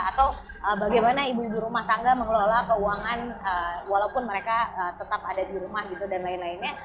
atau bagaimana ibu ibu rumah tangga mengelola keuangan walaupun mereka tetap ada di rumah gitu dan lain lainnya